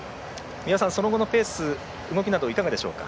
その後のペース、動きなどいかがでしょうか？